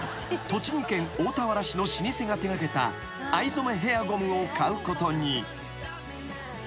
栃木県大田原市の老舗が手掛けた藍染ヘアゴムを買うことに］